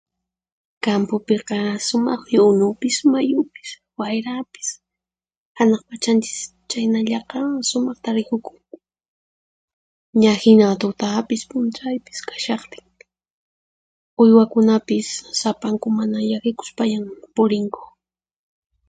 Kampupiqa sumaqmi unupis, mayupis, wayrapis, hanaq pachanchis chhaynallaqa sumaqta rikukun, ña hina tutapis p'unchaypis kashaqtin. Uywakunapis sapanku mana llakikuspallan purinku.